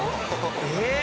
えっ？